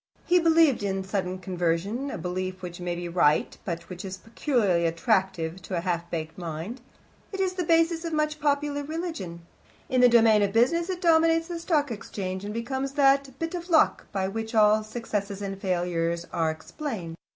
He believed in sudden conversion, a belief which may be right, but which is peculiarly attractive to a half baked mind. It is the bias of much popular religion: in the domain of business it dominates the Stock Exchange, and becomes that "bit of luck" by which all successes and failures are explained.